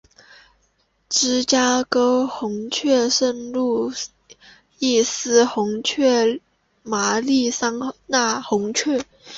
芝加哥红雀圣路易斯红雀亚利桑那红雀